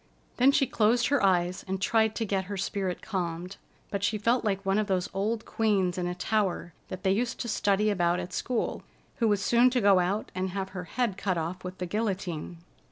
Then she closed her eyes and tried to get her spirit calmed, but she felt like one of those old queens in a tower that they used to study about at school: who was soon to go out and have her head cut off with the guillotine.